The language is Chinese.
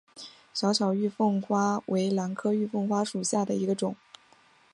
小巧玉凤花为兰科玉凤花属下的一个种。